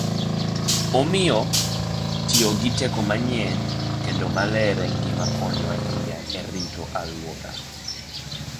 Omiyo, tiyo gi teko manyien kendo maler en gima konyo ahinya e rito alwora.